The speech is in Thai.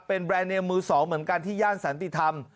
เป็นแบรนดเนมมือสองเหมือนกันที่ย่านสันติธรรม